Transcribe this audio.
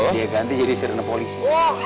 dia ganti jadi sirene polisi